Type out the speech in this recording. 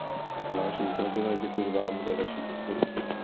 Vážení kolegové, děkuji vám za vaši podporu.